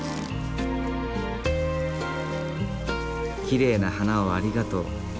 きれいな花をありがとう。